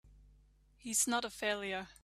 He's not a failure!